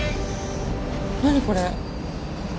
何これ。